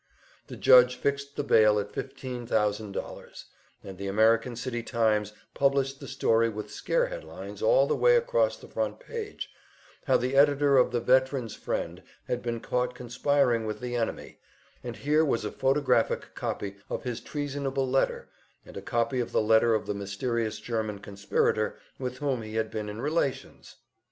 The judge fixed the bail at fifteen thousand dollars, and the American City "Times" published the story with scare headlines all the way across the front page how the editor of the "Veteran's Friend" had been caught conspiring with the enemy, and here was a photographic copy of his treasonable letter, and a copy of the letter of the mysterious German conspirator with whom he had been in relations!